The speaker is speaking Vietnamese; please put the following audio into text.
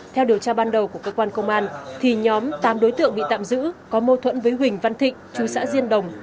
theo điều tra ban đầu của cơ quan công an nhóm tám đối tượng bị tạm giữ có mâu thuẫn với huỳnh văn thịnh chú xã diên đồng